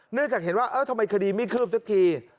เนื่องจากเห็นว่าทำไมคดีไม่คืบสักที